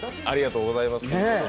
ありがとうございます。